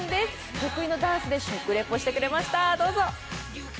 得意のダンスで食リポしてくれました。